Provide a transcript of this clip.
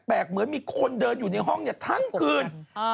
เหมือนมีคนเดินอยู่ในห้องทั้งคืน